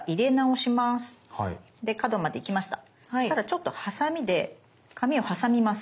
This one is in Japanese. したらちょっとハサミで紙を挟みます。